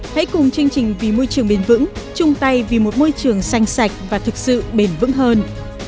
hãy cùng chương trình vì môi trường bền vững chung tay vì một môi trường xanh sạch và thực sự bền vững hơn